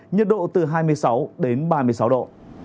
nhiệt độ từ hai mươi sáu ba mươi sáu độ